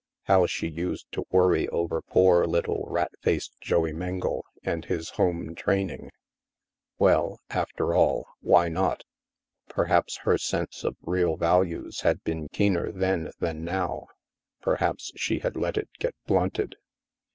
How she used to worry over poor little rat faced Joey Mengle and his home training ! Well, after all, why not ? Per haps her sense of real values had been keener then than now ; perhaps she had let it get blunted.